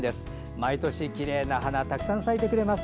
毎年きれいな花たくさん咲いてくれます。